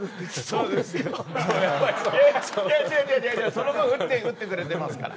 その分打ってくれてますから。